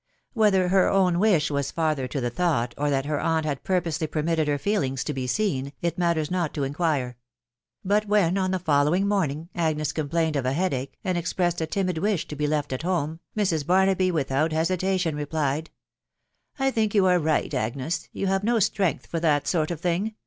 ' Whether her own wish was father to the thought, or that her aunt had purposely permitted her feelings to he seen, it matters not to inquire ; but when, on the following morning, Agnes complained of headache, and expressed a timid wish to he left at home, Mrs. Barnaby, without hesitation, replied, —" I think you are right, Agnes. ..• You have no strength for that sort of thing